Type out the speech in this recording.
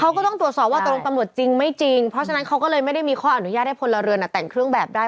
เขาก็ต้องตรวจสอบว่าตกลงตำรวจจริงไม่จริงเพราะฉะนั้นเขาก็เลยไม่ได้มีข้ออนุญาตให้พลเรือนแต่งเครื่องแบบได้